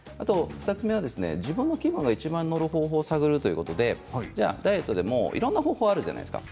２つ目は、自分の気分がいちばんのる方法を探るということでダイエットでもいろいろな方法があるじゃないですか。